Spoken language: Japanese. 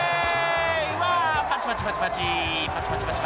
パチパチパチパチ！